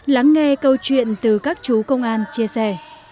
lắng nghe câu chuyện từ các chú công an chia sẻ